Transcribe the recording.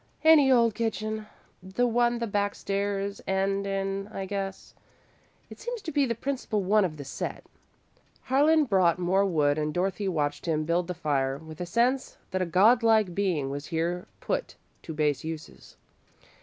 "Any old kitchen. The one the back stairs end in, I guess. It seems to be the principal one of the set." Harlan brought more wood and Dorothy watched him build the fire with a sense that a god like being was here put to base uses.